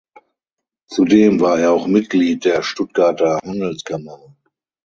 Zudem war er auch Mitglied der Stuttgarter Handelskammer.